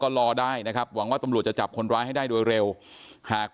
รอได้นะครับหวังว่าตำรวจจะจับคนร้ายให้ได้โดยเร็วหาก